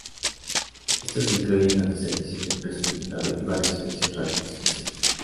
Estos incluyen tanto servicios expreso limitado y varios servicios rápidos especiales.